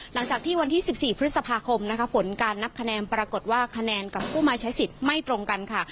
หลังจากที่วันที่๑๔พฤษภาคมนะคะผลการนับคะแนนปรากฏว่าคะแนนกับผู้มาใช้สิทธิ์ไม่ตรงกันค่ะ